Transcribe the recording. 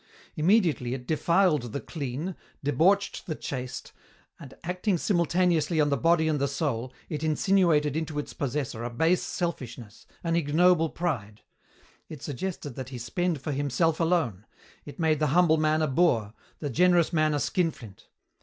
Immediately it defiled the clean, debauched the chaste, and, acting simultaneously on the body and the soul, it insinuated into its possessor a base selfishness, an ignoble pride; it suggested that he spend for himself alone; it made the humble man a boor, the generous man a skinflint.